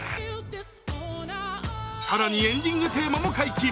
更にエンディングテーマも解禁。